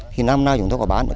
thì năm nay chúng tôi có bán